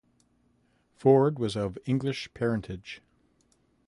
Ford was of English parentage.